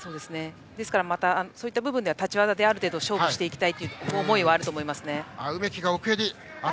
ですからそういった部分では立ち技で勝負したいという思いがあると思います。